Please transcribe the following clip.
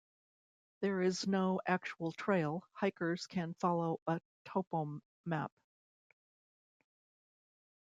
There is no actual trail, hikers can follow a topo map.